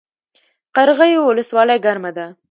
قرغیو ولسوالۍ ګرمه ده؟